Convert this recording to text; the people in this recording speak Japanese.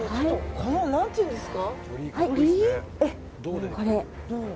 この何て言うんですか。